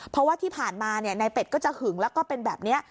เพราะว่าที่ผ่านมานายเป็ดก็จะหึงแล้วก็เป็นแบบนี้